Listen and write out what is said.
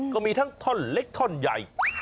ก็มีทั้งท่อนเล็กท่อนใหญ่